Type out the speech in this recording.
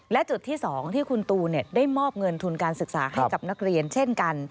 และจุดที่๒ที่คุณตูนได้มอบเงินทุนการศึกษาให้กับนักเรียนเช่นกัน